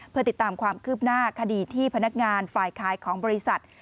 เพื่อติดตามความคืบหน้าคดีที่พนักงานฝ่ายขายของบริษัท